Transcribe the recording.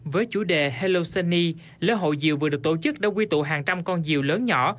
với chủ đề hellosony lễ hội diều vừa được tổ chức đã quy tụ hàng trăm con diều lớn nhỏ